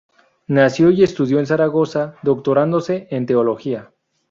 Nació y estudió en Zaragoza, doctorándose en Teología.